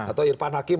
atau irfan hakim